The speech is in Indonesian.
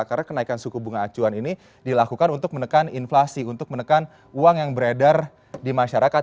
karena kenaikan suku bunga acuan ini dilakukan untuk menekan inflasi untuk menekan uang yang beredar di masyarakat